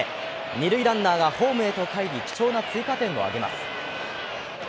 二塁ランナーがホームへと返り貴重な追加点を挙げます。